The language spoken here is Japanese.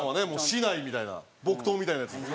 竹刀みたいな木刀みたいなやつ。